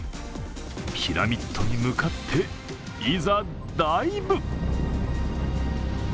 ピラミッドに向かって、いざダイブ！